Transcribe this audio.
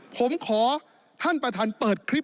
ผมขอท่านประธานเปิดคลิป